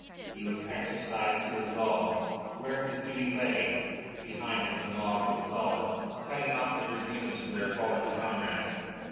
He was exercised to resolve where his duty lay. Behind him the mob was solid, cutting off the dragoons from their fallen comrades.